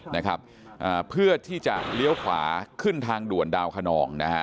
นะครับอ่าเพื่อที่จะเลี้ยวขวาขึ้นทางด่วนดาวคนองนะฮะ